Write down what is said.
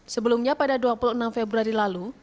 sebelumnya pada dua puluh enam februari lalu